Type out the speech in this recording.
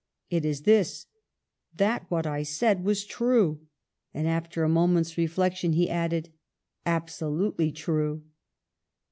It is this, that what I said was true !' 150 PASTEUR "And, after a moment's reflection, he added : "^Absolutely true!'